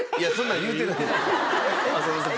浅野さん